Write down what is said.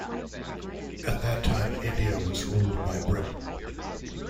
At that time India was ruled by Britain.